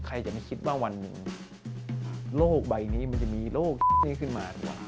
ใครจะไม่มีคิดว่าวันนึงโลกใบนี้มันจะมีโลกนี้ขึ้นมา